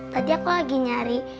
tadi aku lagi nyari